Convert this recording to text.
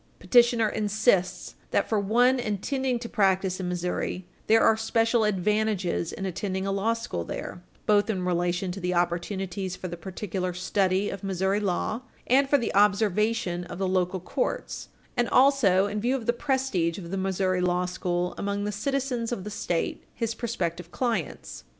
Petitioner insists that, for one intending to practice in Missouri, there are special advantages in attending a law school there, both in relation to the opportunities for the particular study of Missouri law and for the observation of the local courts [Footnote 3] and also in view of the prestige of the Missouri law school among the citizens of the State, his prospective clients.